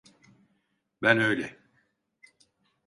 Ben öyle…